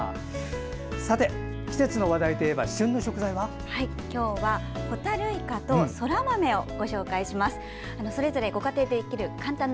さて、季節の話題といえば旬の食材は？今日はホタルイカとそら豆をご紹介します。